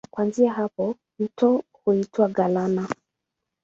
Kuanzia hapa mto huitwa Galana.